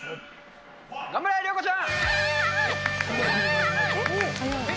頑張れ、涼子ちゃん。